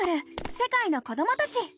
世界の子どもたち」。